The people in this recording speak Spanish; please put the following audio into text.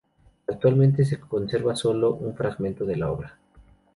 Actualmente se conserva solo un fragmento de la obra.